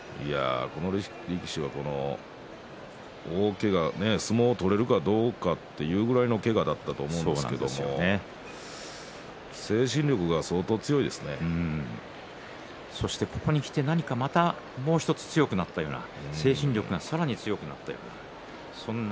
この力士は大けが、相撲が取れるかどうかというくらいのけがだったんですけれどそして、ここにきて何かもう１つ強くなったような精神力がさらに強くなったようなさらに。